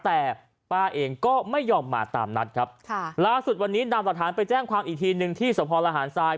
แต่ป้าเองก็ไม่ยอมมาตามนัดครับค่ะล่าสุดวันนี้นำหลักฐานไปแจ้งความอีกทีหนึ่งที่สะพอละหารทราย